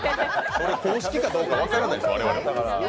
それ、公式かどうか分からないです。